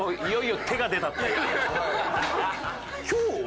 いよいよ手が出たっていう。